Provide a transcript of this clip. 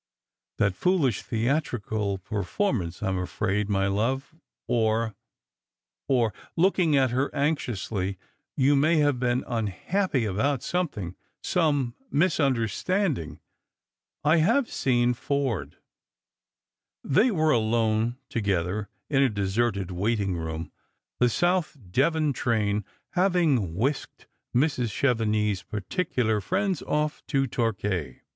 " That foolish theatrical performance, I'm afraid, my love ; or — or " looking at her anxiously, " you may have been unhappy about something — some misunderstanding. I have seen Forde." They were alone together in a deserted waiting room ; the South Devon train having whisked Mrs. Chevenix's particular friends off to Torquay.